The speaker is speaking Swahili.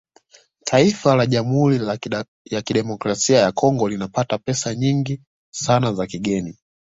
Taifa la Jamhuri ya Kidemokrasia ya Congo linapata pesa nyingi sana za kigeni